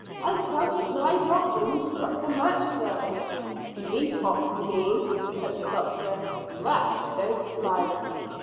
"I felt it glide off when you struck the match, sir." "Leap off, you mean," said the doctor. "Rats don't glide."